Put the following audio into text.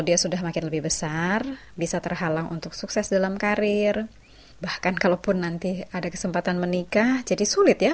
tuhan batu karang kita